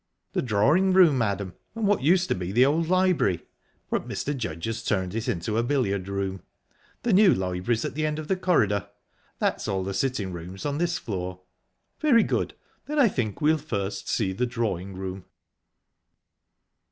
"The drawing room, madam, and what used to be the old library, but Mr. Judge has turned it into a billiard room. The new library's at the end of the corridor. That's all the sitting rooms on this floor." "Very good, then I think we'll first see the drawing room."